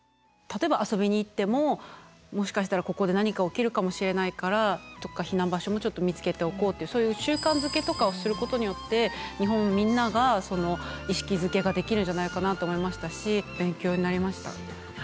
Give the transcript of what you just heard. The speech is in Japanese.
例えば遊びに行ってももしかしたらここで何か起きるかもしれないからどっか避難場所もちょっと見つけておこうっていうそういう習慣づけとかをすることによって日本みんながその意識づけができるんじゃないかなと思いましたし勉強になりました。